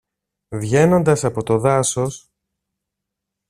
Βγαίνοντας από το δάσος